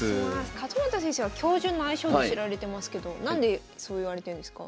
勝又先生は教授の愛称で知られてますけど何でそう言われてんですか？